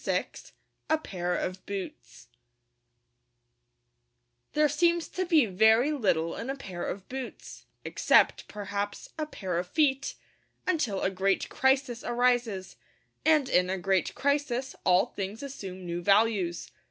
VI A PAIR OF BOOTS There seems to be very little in a pair of boots except, perhaps, a pair of feet until a great crisis arises; and in a great crisis all things assume new values.